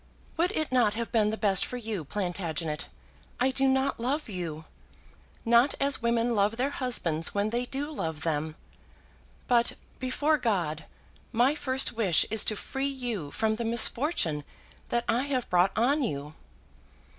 "Would it not have been the best for you? Plantagenet, I do not love you; not as women love their husbands when they do love them. But, before God, my first wish is to free you from the misfortune that I have brought on you."